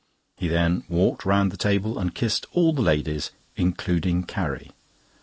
He then walked round the table and kissed all the ladies, including Carrie.